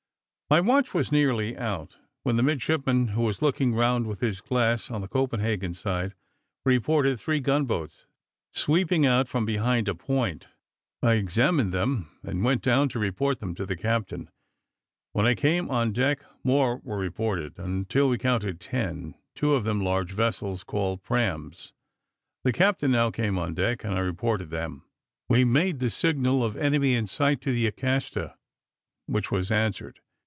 My watch was nearly out, when the midshipman who was looking round with his glass on the Copenhagen side, reported three gun boats, sweeping out from behind a point. I examined them, and went down to report them to the captain. When I came on deck, more were reported, until we counted ten, two of them large vessels, called praams. The captain now came on deck, and I reported them. We made the signal of enemy in sight, to the Acasta, which was answered.